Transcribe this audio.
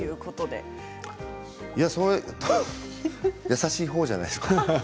優しいほうじゃないですか。